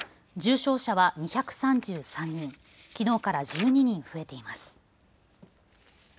重症者は２３３人、きのうから１２人増えています。